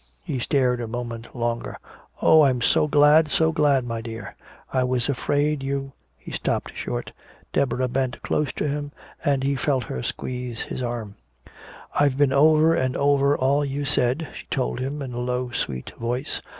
He stared a moment longer; "Oh, I'm so glad, so glad, my dear. I was afraid you " he stopped short. Deborah bent close to him, and he felt her squeeze his arm: "I've been over and over all you said," she told him, in a low sweet voice.